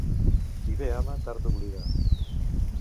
Qui bé ama, tard oblida.